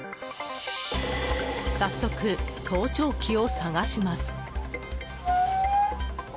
早速、盗聴器を探します。